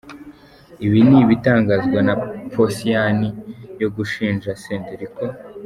Ibi ni ibitangazwa na Posiyani yo gushinja Senderi ko.